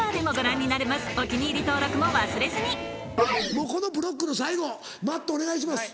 もうこのブロックの最後Ｍａｔｔお願いします。